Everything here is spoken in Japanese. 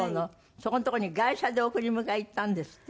そこのとこに外車で送り迎え行ったんですって？